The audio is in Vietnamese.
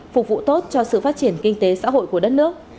phục vụ tốt cho sự phát triển kinh tế xã hội của đất nước